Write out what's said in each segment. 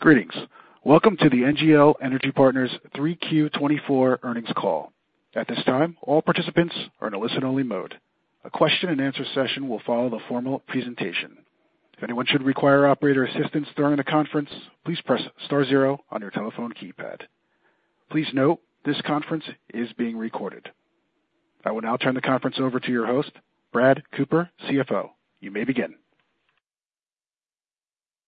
Greetings. Welcome to the NGL Energy Partners 3 Q24 Earnings Call. At this time, all participants are in a listen-only mode. A question-and-answer session will follow the formal presentation. If anyone should require operator assistance during the conference, please Press Star zero on your telephone keypad. Please note, this conference is being recorded. I will now turn the conference over to your host, Brad Cooper, CFO. You may begin.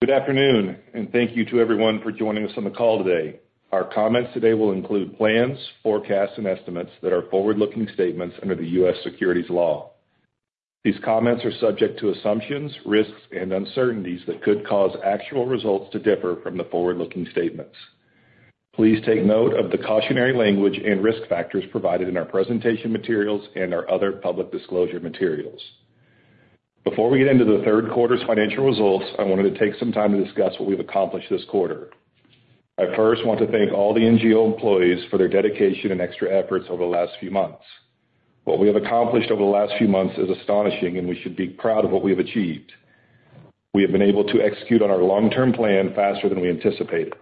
Good afternoon, and thank you to everyone for joining us on the call today. Our comments today will include plans, forecasts, and estimates that are forward-looking statements under the U.S. securities law. These comments are subject to assumptions, risks, and uncertainties that could cause actual results to differ from the forward-looking statements. Please take note of the cautionary language and risk factors provided in our presentation materials and our other public disclosure materials. Before we get into the third quarter's financial results, I wanted to take some time to discuss what we've accomplished this quarter. I first want to thank all the NGL employees for their dedication and extra efforts over the last few months. What wehave accomplished over the last few months is astonishing, and we should be proud of what we have achieved. We have been able to execute on our long-term plan faster than we anticipated.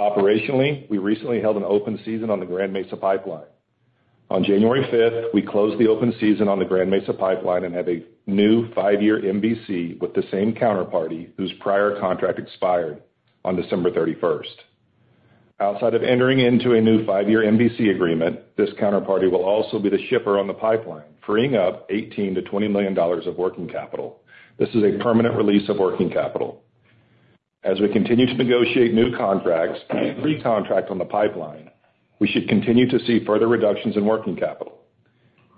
Operationally, we recently held an open season on the Grand Mesa Pipeline. On January 5th, we closed the open season on the Grand Mesa Pipeline and have a new five-year MVC with the same counterparty whose prior contract expired on 31st December. Outside of entering into a new five-year MVC agreement, this counterparty will also be the shipper on the pipeline, freeing up $18-$20 million of working capital. This is a permanent release of working capital. As we continue to negotiate new contracts and pre-contract on the pipeline, we should continue to see further reductions in working capital.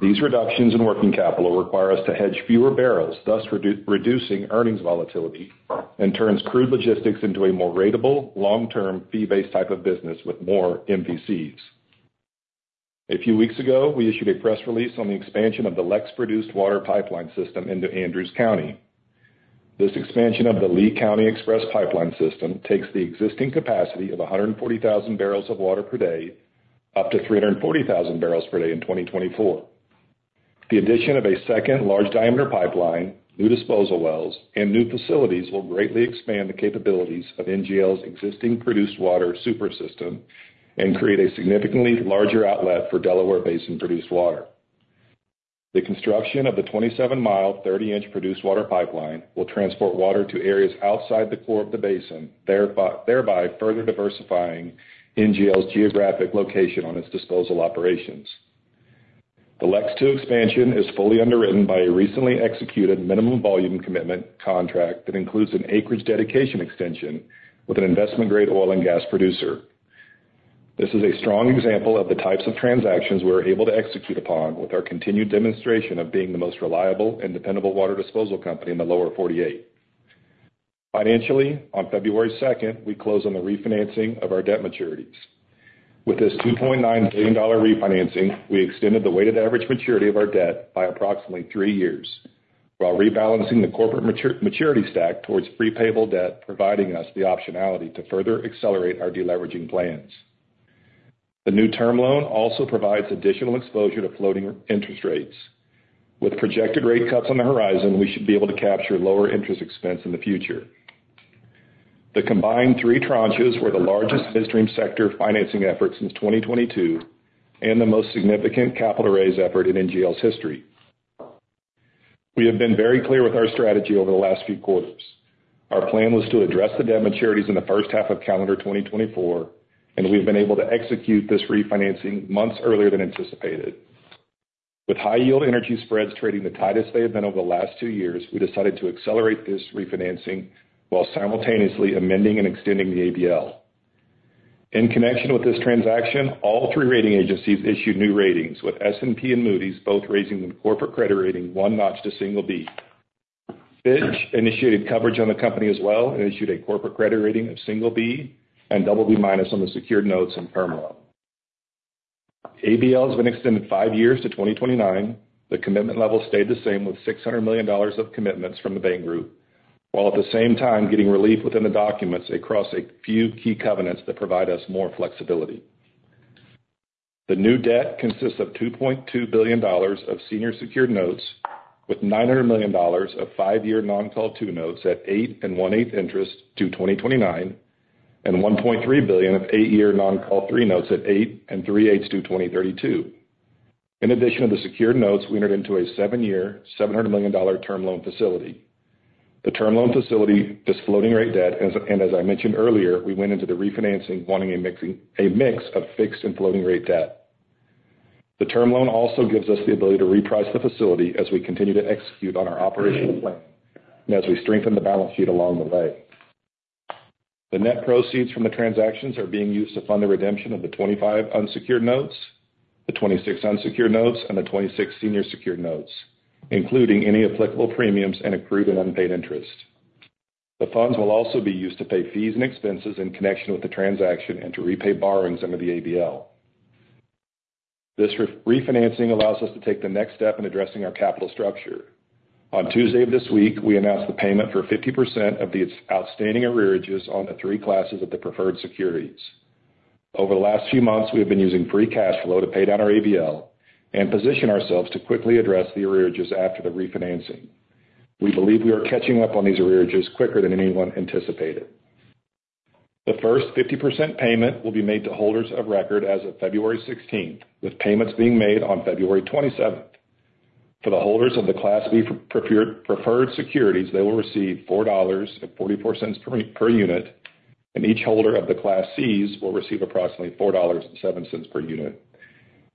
These reductions in working capital require us to hedge fewer barrels, thus reducing earnings volatility and turns crude logistics into a more ratable, long-term, fee-based type of business with more MVCs. A few weeks ago, we issued a press release on the expansion of the LEX produced water pipeline system into Andrews County. This expansion of the Lea County Express Pipeline system takes the existing capacity of 140,000 barrels of water per day up to 340,000 barrels per day in 2024. The addition of a second large diameter pipeline, new disposal wells, and new facilities will greatly expand the capabilities of NGL's existing produced water super system and create a significantly larger outlet for Delaware Basin produced water. The construction of the 27-mile, 30-inch produced water pipeline will transport water to areas outside the core of the basin, thereby further diversifying NGL's geographic location on its disposal operations. The LEX II expansion is fully underwritten by a recently executed minimum volume commitment contract that includes an acreage dedication extension with an investment-grade oil and gas producer. This is a strong example of the types of transactions we're able to execute upon with our continued demonstration of being the most reliable and dependable water disposal company in the lower 48. Financially, on 2nd February, we closed on the refinancing of our debt maturities. With this $2.9 billion refinancing, we extended the weighted average maturity of our debt by approximately three years, while rebalancing the corporate maturity stack towards prepayable debt, providing us the optionality to further accelerate our deleveraging plans. The new term loan also provides additional exposure to floating interest rates. With projected rate cuts on the horizon, we should be able to capture lower interest expense in the future. The combined three tranches were the largest midstream sector financing effort since 2022 and the most significant capital raise effort in NGL's history. We have been very clear with our strategy over the last few quarters. Our plan was to address the debt maturities in the first half of calendar 2024, and we have been able to execute this refinancing months earlier than anticipated. With high-yield energy spreads trading the tightest they have been over the last two years, we decided to accelerate this refinancing while simultaneously amending and extending the ABL. In connection with this transaction, all three rating agencies issued new ratings, with S&P and Moody's both raising the corporate credit rating one notch to single B. Fitch initiated coverage on the company as well and issued a corporate credit rating of single B and double B minus on the secured notes in PermRoad. ABL has been extended five years to 2029. The commitment level stayed the same with $600 million of commitments from the Bain Group, while at the same time getting relief within the documents across a few key covenants that provide us more flexibility. The new debt consists of $2.2 billion of senior secured notes, with $900 million of five year non-call two notes at 8.125% interest due 2029, and $1.3 billion of eight year non-call three notes at 8.375% due 2032. In addition to the secured notes, we entered into a seven year, $700 million term loan facility. The term loan facility, this floating rate debt, and as I mentioned earlier, we went into the refinancing wanting a mix of fixed and floating rate debt. The term loan also gives us the ability to reprice the facility as we continue to execute on our operational plan and as we strengthen the balance sheet along the way. The net proceeds from the transactions are being used to fund the redemption of the 25 unsecured notes, the 26 unsecured notes, and the 26 senior secured notes, including any applicable premiums and accrued and unpaid interest. The funds will also be used to pay fees and expenses in connection with the transaction and to repay borrowings under the ABL. This refinancing allows us to take the next step in addressing our capital structure. On Tuesday of this week, we announced the payment for 50% of the outstanding arrearages on the three classes of the preferred securities. Over the last few months, we have been using free cash flow to pay down our ABL and position ourselves to quickly address the arrearages after the refinancing. We believe we are catching up on these arrearages quicker than anyone anticipated. The first 50% payment will be made to holders of record as of 16th February, with payments being made on 27th February. For the holders of the Class B preferred securities, they will receive $4.44 per unit, and each holder of the Class Cs will receive approximately $4.07 per unit.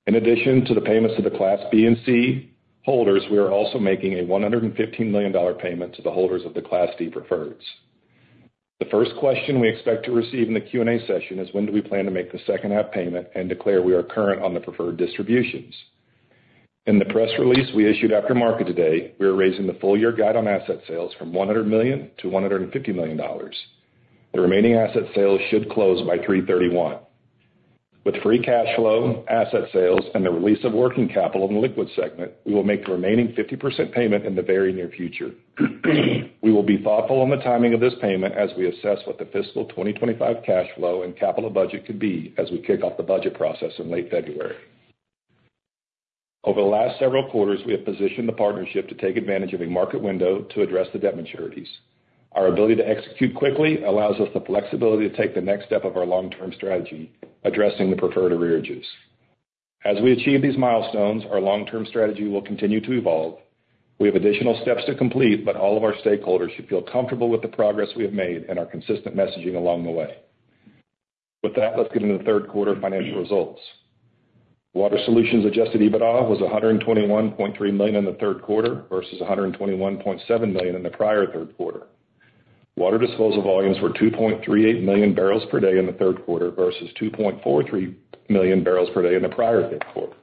In addition to the payments to the Class B and C holders, we are also making a $115 million payment to the holders of the Class D preferreds. The first question we expect to receive in the Q&A session is, "When do we plan to make the second-half payment and declare we are current on the preferred distributions?" In the press release we issued after market today, we are raising the full-year guide on asset sales from $100 million-$150 million. The remaining asset sales should close by 3/31. With free cash flow, asset sales, and the release of working capital in the liquid segment, we will make the remaining 50% payment in the very near future. We will be thoughtful on the timing of this payment as we assess what the fiscal 2025 cash flow and capital budget could be as we kick off the budget process in late February. Over the last several quarters, we have positioned the partnership to take advantage of a market window to address the debt maturities. Our ability to execute quickly allows us the flexibility to take the next step of our long-term strategy, addressing the Preferred arrearages. As we achieve these milestones, our long-term strategy will continue to evolve. We have additional steps to complete, but all of our stakeholders should feel comfortable with the progress we have made and our consistent messaging along the way. With that, let's get into the third quarter financial results. Water Solutions Adjusted EBITDA was $121.3 million in the third quarter versus $121.7 million in the prior third quarter. Water disposal volumes were 2.38 million barrels per day in the third quarter versus 2.43 million barrels per day in the prior third quarter.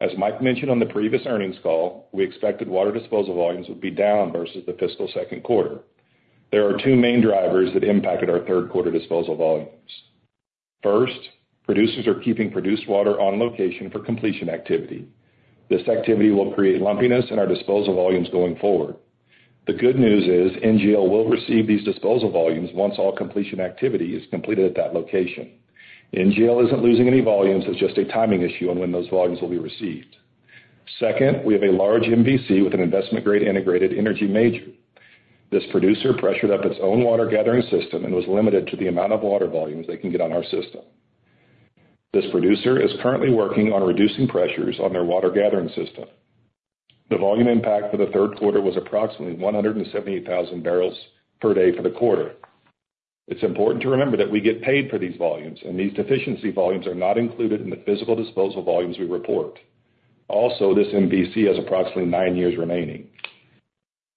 As Mike mentioned on the previous earnings call, we expected water disposal volumes would be down versus the fiscal second quarter. There are two main drivers that impacted our third quarter disposal volumes. First, producers are keeping produced water on location for completion activity. This activity will create lumpiness in our disposal volumes going forward. The good news is NGL will receive these disposal volumes once all completion activity is completed at that location. NGL isn't losing any volumes. It's just a timing issue on when those volumes will be received. Second, we have a large MVC with an Investment grade integrated energy major. This producer pressured up its own water gathering system and was limited to the amount of water volumes they can get on our system. This producer is currently working on reducing pressures on their water gathering system. The volume impact for the third quarter was approximately 178,000 barrels per day for the quarter. It's important to remember that we get paid for these volumes, and these deficiency volumes are not included in the physical disposal volumes we report. Also, this MVC has approximately nine years remaining.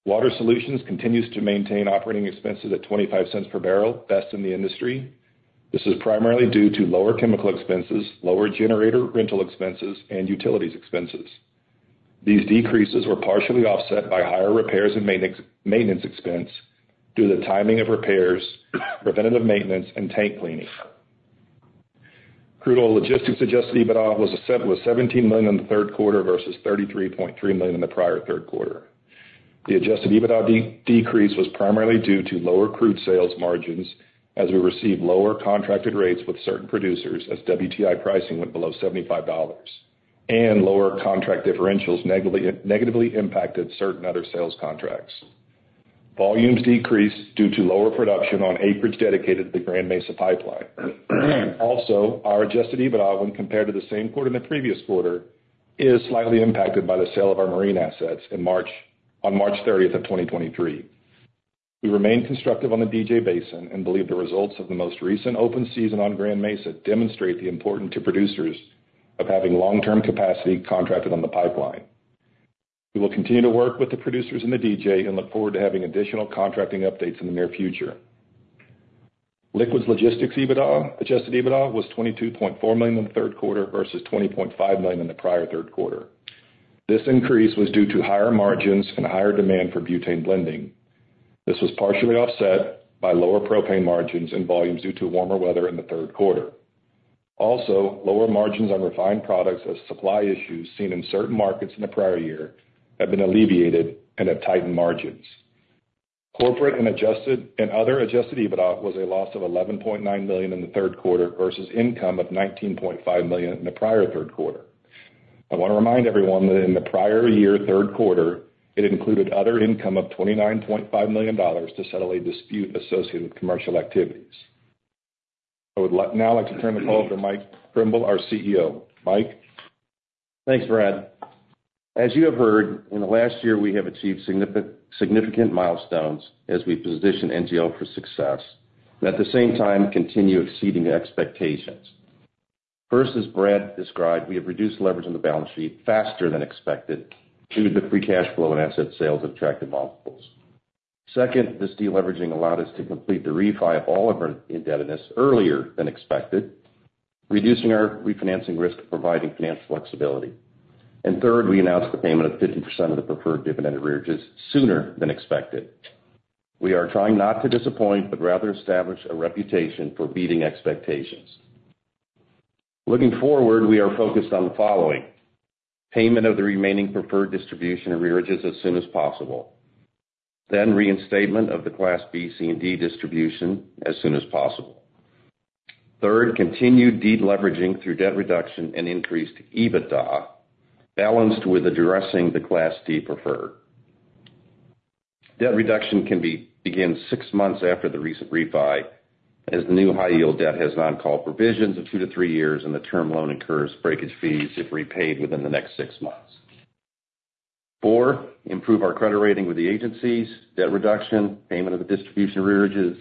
Water Solutions continues to maintain operating expenses at $0.25 per barrel, best in the industry. This is primarily due to lower chemical expenses, lower generator rental expenses, and utilities expenses. These decreases were partially offset by higher repairs and maintenance expense due to the timing of repairs, preventative maintenance, and tank cleaning. Crude Oil Logistics Adjusted EBITDA was $17 million in the third quarter versus $33.3 million in the prior third quarter. The Adjusted EBITDA decrease was primarily due to lower crude sales margins as we received lower contracted rates with certain producers as WTI pricing went below $75, and lower contract differentials negatively impacted certain other sales contracts. Volumes decreased due to lower production on acreage dedicated to the Grand Mesa Pipeline. Also, our Adjusted EBITDA when compared to the same quarter in the previous quarter is slightly impacted by the sale of our marine assets on 30th March of 2023. We remain constructive on the DJ Basin and believe the results of the most recent open season on Grand Mesa demonstrate the importance to producers of having long-term capacity contracted on the pipeline. We will continue to work with the producers and the DJ and look forward to having additional contracting updates in the near future. Liquids Logistics Adjusted EBITDA was $22.4 million in the third quarter versus $20.5 million in the prior third quarter. This increase was due to higher margins and higher demand for butane blending. This was partially offset by lower propane margins and volumes due to warmer weather in the third quarter. Also, lower margins on refined products as supply issues seen in certain markets in the prior year have been alleviated and have tightened margins. Corporate and other Adjusted EBITDA was a loss of $11.9 million in the third quarter versus income of $19.5 million in the prior third quarter. I want to remind everyone that in the prior year third quarter, it included other income of $29.5 million to settle a dispute associated with commercial activities. I would now like to turn the call over to Mike Krimbill, our CEO. Mike. Thanks, Brad. As you have heard, in the last year, we have achieved significant milestones as we position NGL for success and at the same time continue exceeding expectations. First, as Brad described, we have reduced leverage on the balance sheet faster than expected due to the free cash flow and asset sales that attracted multiples. Second, this deleveraging allowed us to complete the refi of all of our indebtedness earlier than expected, reducing our refinancing risk, providing financial flexibility. And third, we announced the payment of 50% of the preferred dividend arrearages sooner than expected. We are trying not to disappoint but rather establish a reputation for beating expectations. Looking forward, we are focused on the following: payment of the remaining preferred distribution arrearages as soon as possible, then reinstatement of the Class B, C, and D distribution as soon as possible. Third, continued deleveraging through debt reduction and increased EBITDA balanced with addressing the Class D preferred. Debt reduction can begin 6 months after the recent refi as the new high-yield debt has non-call provisions of 2-3 years, and the term loan incurs breakage fees if repaid within the next 6 months. Four, improve our credit rating with the agencies, debt reduction, payment of the distribution arrearages,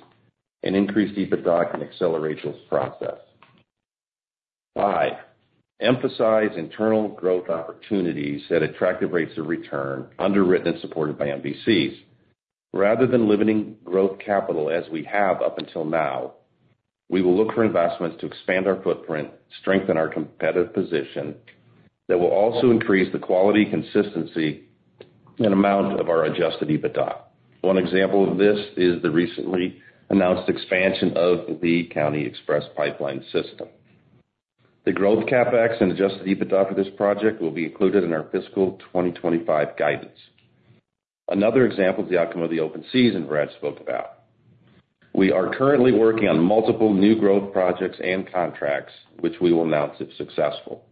and increased EBITDA can accelerate this process. Five, emphasize internal growth opportunities at attractive rates of return underwritten and supported by MVCs. Rather than limiting growth capital as we have up until now, we will look for investments to expand our footprint, strengthen our competitive position that will also increase the quality, consistency, and amount of our Adjusted EBITDA. One example of this is the recently announced expansion of the Lea County Express Pipeline System. The growth CapEx and Adjusted EBITDA for this project will be included in our fiscal 2025 guidance. Another example is the outcome of the open seasons Brad spoke about. We are currently working on multiple new growth projects and contracts, which we will announce if successful.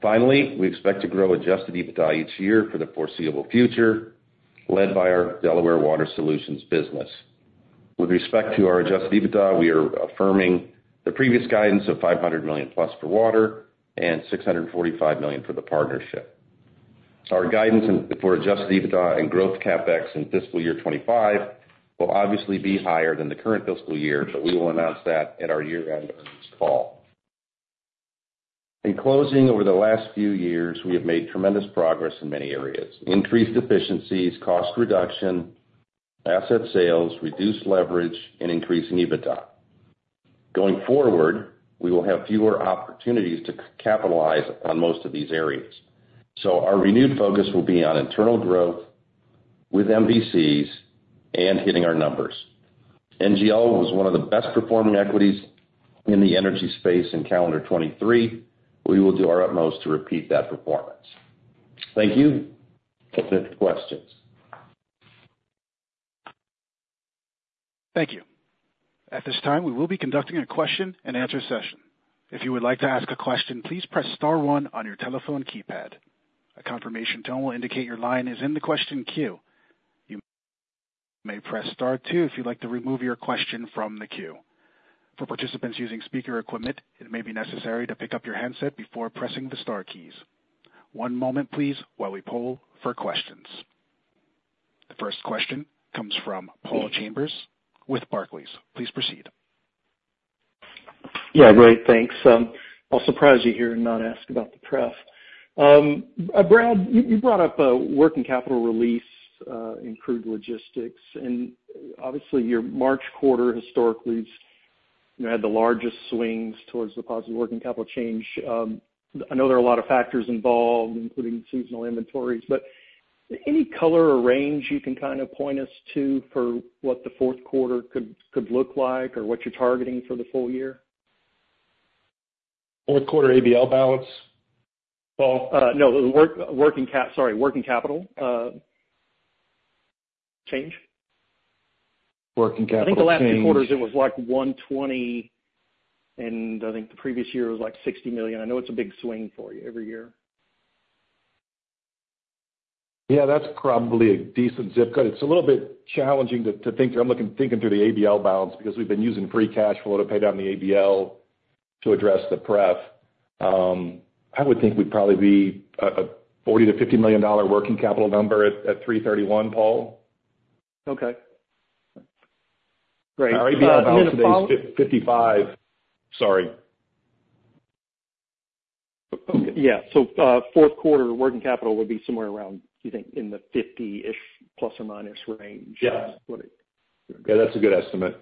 Finally, we expect to grow Adjusted EBITDA each year for the foreseeable future led by our Delaware Water Solutions business. With respect to our Adjusted EBITDA, we are affirming the previous guidance of $500 million+ for water and $645 million for the partnership. Our guidance for Adjusted EBITDA and growth CapEx in fiscal year 2025 will obviously be higher than the current fiscal year, but we will announce that at our year-end earnings call. In closing, over the last few years, we have made tremendous progress in many areas: increased efficiencies, cost reduction, asset sales, reduced leverage, and increasing EBITDA. Going forward, we will have fewer opportunities to capitalize on most of these areas. So our renewed focus will be on internal growth with MVCs and hitting our numbers. NGL was one of the best-performing equities in the energy space in calendar 2023. We will do our utmost to repeat that performance. Thank you. Questions. Thank you. At this time, we will be conducting a question-and-answer session. If you would like to ask a question, please press star one on your telephone keypad. A confirmation tone will indicate your line is in the question queue. You may press star two if you'd like to remove your question from the queue. For participants using speaker equipment, it may be necessary to pick up your handset before pressing the star keys. One moment, please, while we poll for questions. The first question comes from Paul Chambers with Barclays. Please proceed. Yeah, great. Thanks. I'll surprise you here and not ask about the prep. Brad, you brought up working capital release in crude logistics, and obviously, your March quarter historically had the largest swings towards the positive working capital change. I know there are a lot of factors involved, including seasonal inventories, but any color or range you can kind of point us to for what the fourth quarter could look like or what you're targeting for the full year? Fourth quarter ABL balance? Paul. No, sorry, working capital change. Working capital change. I think the last two quarters, it was like $120 million, and I think the previous year it was like $60 million. I know it's a big swing for you every year. Yeah, that's probably a decent zip code. It's a little bit challenging to think through. I'm thinking through the ABL balance because we've been using free cash flow to pay down the ABL to address the pref. I would think we'd probably be a $40 million-$50 million working capital number at 3/31, Paul. Okay. Great. Our ABL balance today is $55 million. Sorry. Yeah. So fourth quarter working capital would be somewhere around, do you think, in the $50 million-ish plus or minus range. Yeah, that's a good estimate.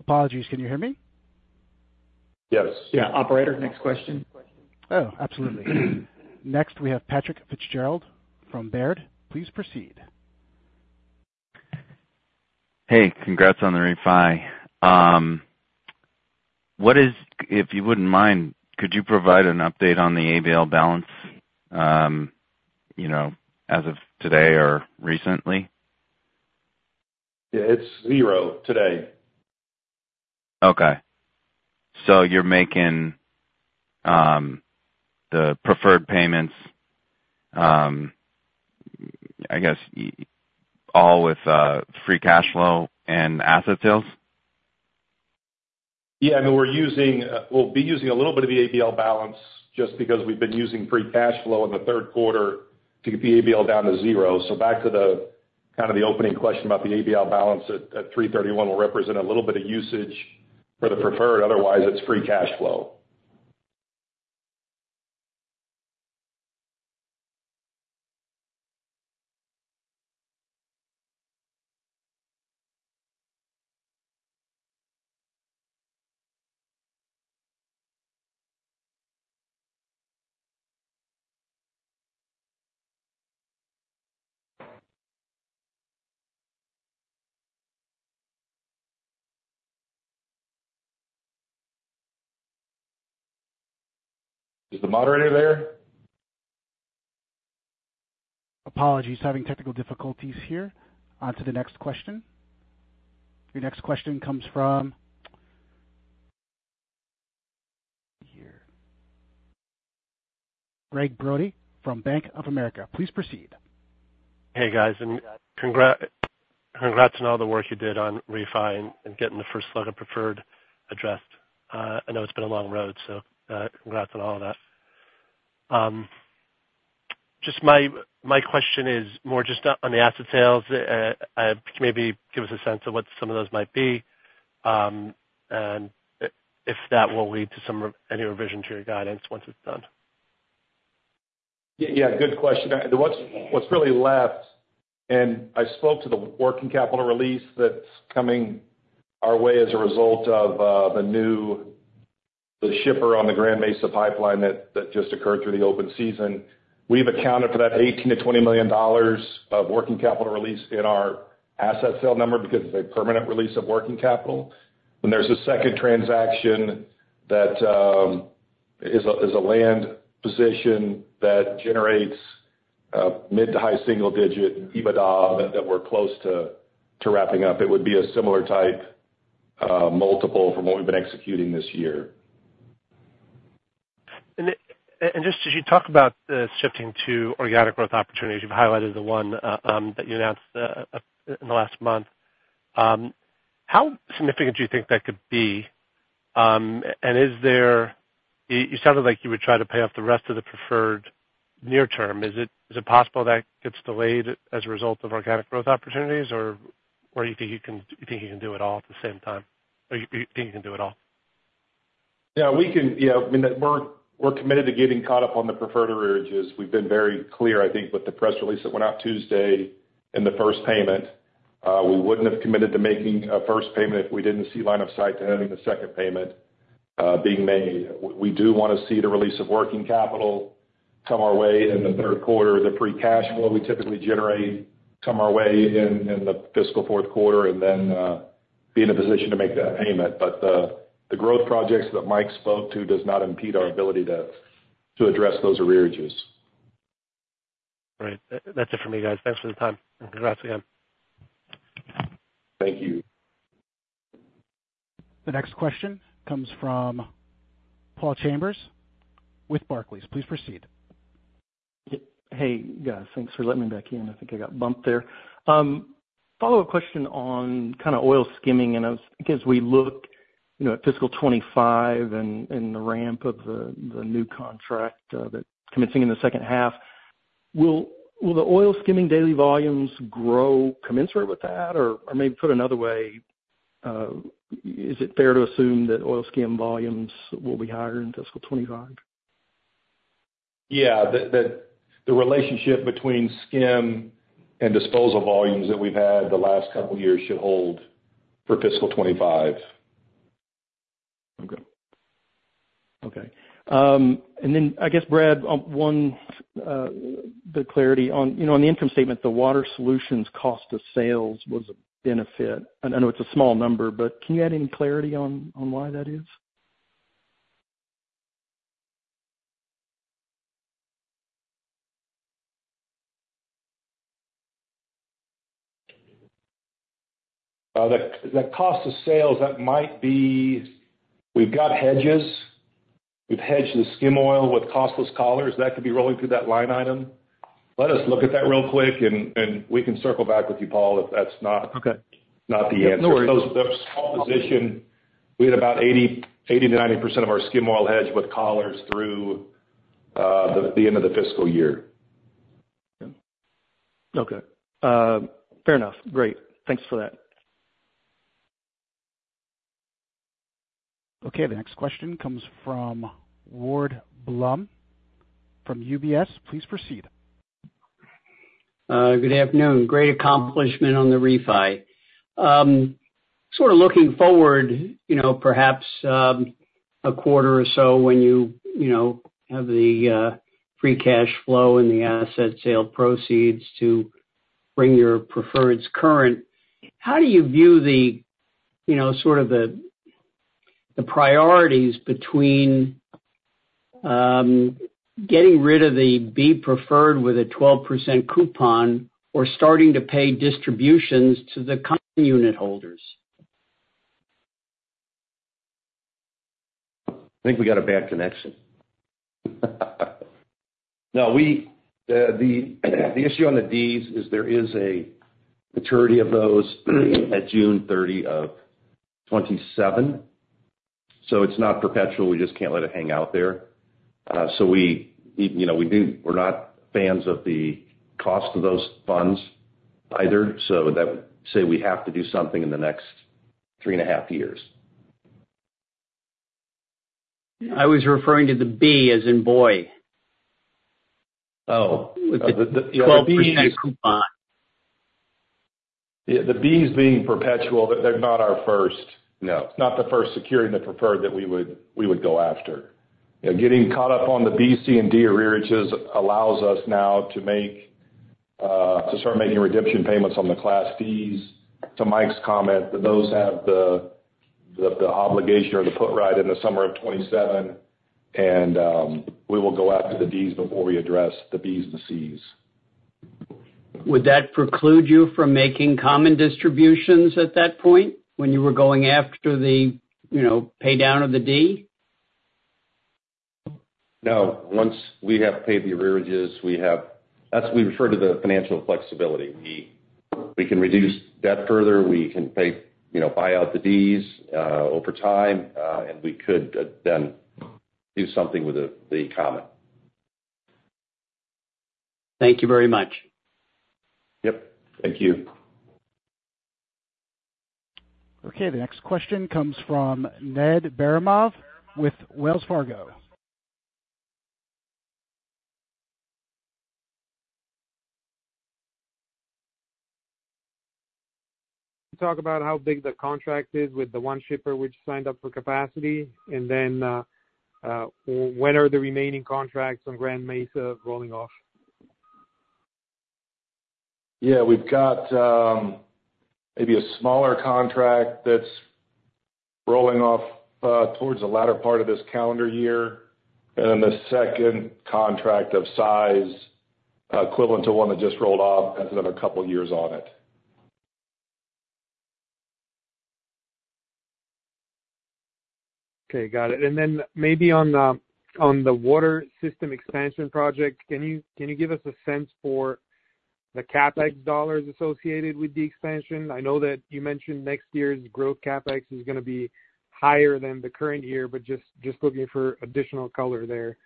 Apologies, can you hear me? Yes. Yeah, operator, next question. Oh, absolutely. Next, we have Patrick Fitzgerald from Baird. Please proceed. Hey, congrats on the refi. If you wouldn't mind, could you provide an update on the ABL balance as of today or recently? Yeah, it's 0 today. Okay. So you're making the preferred payments, I guess, all with free cash flow and asset sales? Yeah. I mean, we'll be using a little bit of the ABL balance just because we've been using free cash flow in the third quarter to get the ABL down to zero. So back to kind of the opening question about the ABL balance at 3/31 will represent a little bit of usage for the preferred. Otherwise, it's free cash flow. Is the moderator there? Apologies, having technical difficulties here. Onto the next question. Your next question comes from Greg Brody from Bank of America. Please proceed. Hey, guys. Congrats on all the work you did on refi and getting the first slug of preferred addressed. I know it's been a long road, so congrats on all of that. Just my question is more just on the asset sales. Maybe give us a sense of what some of those might be and if that will lead to any revision to your guidance once it's done. Yeah, good question. What's really left, and I spoke to the working capital release that's coming our way as a result of the shipper on the Grand Mesa Pipeline that just occurred through the open season. We've accounted for that $18 million-$20 million of working capital release in our asset sale number because it's a permanent release of working capital. There's a second transaction that is a land position that generates mid to high single-digit EBITDA that we're close to wrapping up. It would be a similar type multiple from what we've been executing this year. Just as you talk about shifting to organic growth opportunities, you've highlighted the one that you announced in the last month. How significant do you think that could be? And you sounded like you would try to pay off the rest of the preferred near term. Is it possible that gets delayed as a result of organic growth opportunities, or do you think you can do it all at the same time? Or do you think you can do it all? Yeah, we can. I mean, we're committed to getting caught up on the preferred arrearages. We've been very clear, I think, with the press release that went out Tuesday and the first payment. We wouldn't have committed to making a first payment if we didn't see line of sight to having the second payment being made. We do want to see the release of working capital come our way in the third quarter. The free cash flow we typically generate come our way in the fiscal fourth quarter and then be in a position to make that payment. But the growth projects that Mike spoke to does not impede our ability to address those arrearages. Right. That's it from me, guys. Thanks for the time, and congrats again. Thank you. The next question comes froms Paul Chambers with Barclays. Please proceed. Hey, guys. Thanks for letting me back in. I think I got bumped there. Follow-up question on kind of oil skimming. And I guess we look at fiscal 2025 and the ramp of the new contract commencing in the second half. Will the oil skimming daily volumes grow commensurate with that, or maybe put another way, is it fair to assume that oil skim volumes will be higher in fiscal 2025? Yeah, the relationship between skim and disposal volumes that we've had the last couple of years should hold for fiscal 2025. Okay. Okay. Then, I guess, Brad, one bit of clarity on the income statement, the water solutions cost of sales was a benefit. I know it's a small number, but can you add any clarity on why that is? The cost of sales, that might be we've got hedges. We've hedged the skim oil with costless collars. That could be rolling through that line item. Let us look at that real quick, and we can circle back with you, Paul, if that's not the answer. No worries. It's a small position. We had about 80%-90% of our skim oil hedged with collars through the end of the fiscal year. Okay. Fair enough. Great. Thanks for that. Okay. The next question comes from Ward Blum from UBS. Please proceed. Good afternoon. Great accomplishment on the refi. Sort of looking forward, perhaps a quarter or so when you have the free cash flow and the asset sale proceeds to bring your preferreds current, how do you view sort of the priorities between getting rid of the B preferred with a 12% coupon or starting to pay distributions to the common unit holders? I think we got a bad connection. No, the issue on the Ds is there is a maturity of those at 30th June, 2027. So it's not perpetual. We just can't let it hang out there. So we're not fans of the cost of those funds either. So that would say we have to do something in the next three and a half years. I was referring to the B as in boy. Oh, the 12% coupon. The Bs being perpetual, they're not our first. It's not the first securing the preferred that we would go after. Getting caught up on the B, C, and D arrearages allows us now to start making redemption payments on the class Ds. To Mike's comment, those have the obligation or the put ride in the summer of 2027, and we will go after the Ds before we address the Bs and the Cs. Would that preclude you from making common distributions at that point when you were going after the pay down of the D? No. Once we have paid the arrearages, we refer to the financial flexibility. We can reduce debt further. We can buy out the Ds over time, and we could then do something with the common. Thank you very much. Yep. Thank you. Okay. The next question comes from Ned Baramov with Wells Fargo. Talk about how big the contract is with the one shipper which signed up for capacity, and then when are the remaining contracts on Grand Mesa rolling off? Yeah, we've got maybe a smaller contract that's rolling off towards the latter part of this calendar year, and then the second contract of size equivalent to one that just rolled off has another couple of years on it. Okay. Got it. And then maybe on the water system expansion project, can you give us a sense for the CapEx dollars associated with the expansion? I know that you mentioned next year's growth CapEx is going to be higher than the current year, but just looking for additional color there.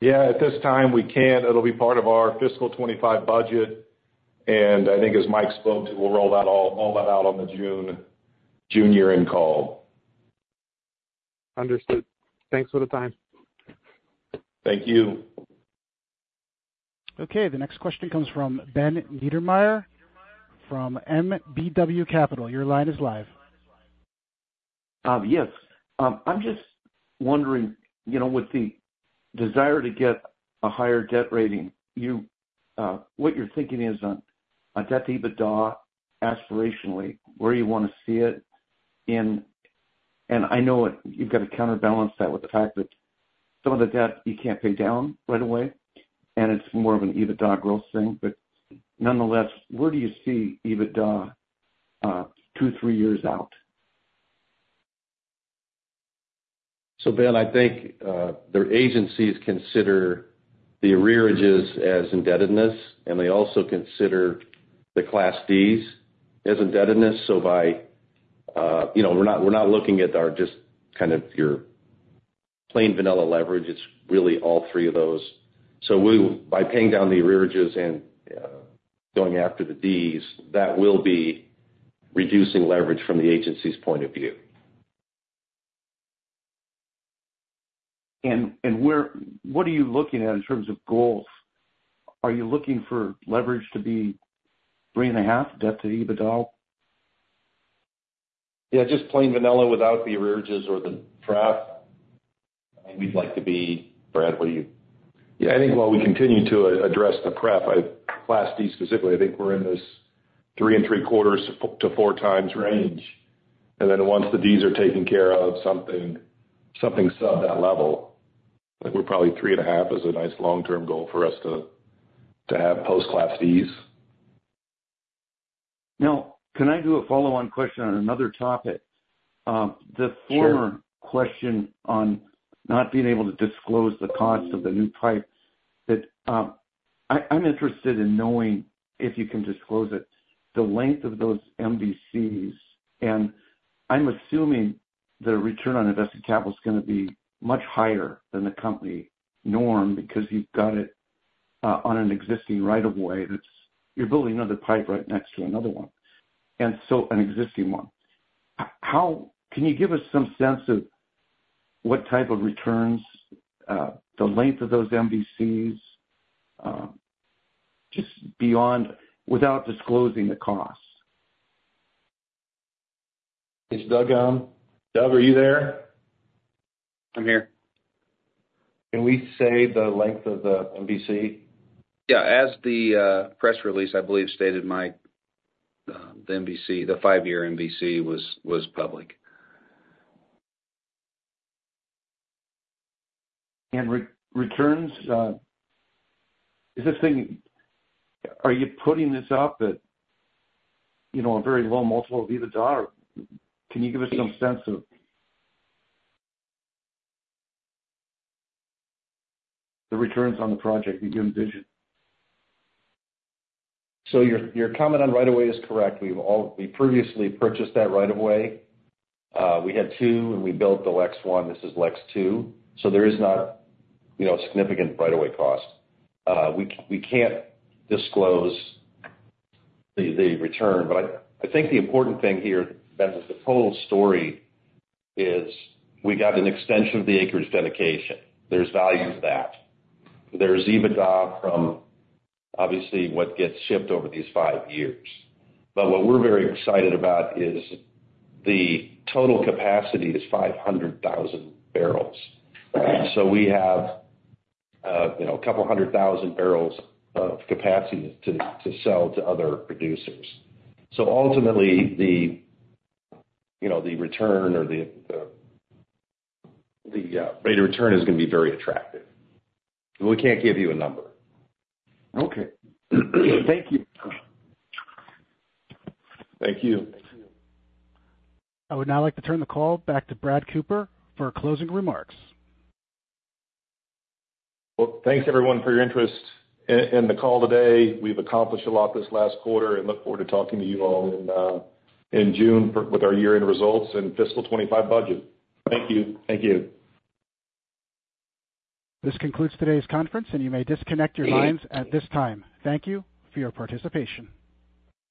Yeah, at this time, we can't. It'll be part of our fiscal 2025 budget, and I think, as Mike spoke, we'll roll that all out on the June year-end call. Understood. Thanks for the time. Thank you. Okay. The next question comes from Ben Niedermeyer from MBW Capital. Your line is live. Yes. I'm just wondering, with the desire to get a higher debt rating, what you're thinking is on debt EBITDA aspirationally, where you want to see it in. And I know you've got to counterbalance that with the fact that some of the debt, you can't pay down right away, and it's more of an EBITDA growth thing. But nonetheless, where do you see EBITDA two, three years out? So, Ben, I think their agencies consider the arrearages as indebtedness, and they also consider the class Ds as indebtedness. So we're not looking at just kind of your plain vanilla leverage. It's really all three of those. So by paying down the arrearages and going after the Ds, that will be reducing leverage from the agency's point of view. And what are you looking at in terms of goals? Are you looking for leverage to be 3.5, debt to EBITDA? Yeah, just plain vanilla without the arrearages or the prep. I mean, we'd like to be Brad, what do you? Yeah, I think while we continue to address the prep, class D specifically, I think we're in this 3.75-4 times range. And then once the Ds are taken care of, something sub that level, we're probably 3.5 is a nice long-term goal for us to have post-Class Ds. Now, can I do a follow-on question on another topic? The former question on not being able to disclose the cost of the new pipe, I'm interested in knowing, if you can disclose it, the length of those MVCs. And I'm assuming the return on invested capital is going to be much higher than the company norm because you've got it on an existing right-of-way that's you're building another pipe right next to another one, an existing one. Can you give us some sense of what type of returns, the length of those MVCs, just without disclosing the costs? It's Doug. Doug, are you there? I'm here. Can we say the length of the MVC? Yeah, as the press release, I believe, stated, the 5-year MVC was public. And returns, are you putting this up at a very low multiple of EBITDA? Can you give us some sense of the returns on the project that you envision? So your comment on right-of-way is correct. We previously purchased that right-of-way. We had two, and we built the LEX I. This is LEX II. So there is not significant right-of-way cost. We can't disclose the return. But I think the important thing here, Ben, is the total story is we got an extension of the acreage dedication. There's value to that. There's EBITDA from, obviously, what gets shipped over these 5 years. But what we're very excited about is the total capacity is 500,000 barrels. So we have a couple hundred thousand barrels of capacity to sell to other producers. Ultimately, the return or the rate of return is going to be very attractive. We can't give you a number. Okay. Thank you. Thank you. I would now like to turn the call back to Brad Cooper for closing remarks. Well, thanks, everyone, for your interest in the call today. We've accomplished a lot this last quarter and look forward to talking to you all in June with our year-end results and fiscal 2025 budget. Thank you. Thank you. This concludes today's conference, and you may disconnect your lines at this time. Thank you for your participation.